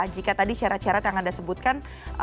jika tadi syarat syarat yang anda sebutkan